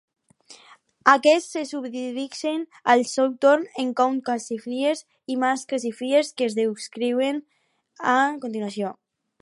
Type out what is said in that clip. Aquests se subdivideixen al seu torn en count-classifiers" i "mass-classifiers", que es descriuen a continuació.